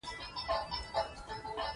تر دیوالۍ دوې ګوتې سر لوړ کړه.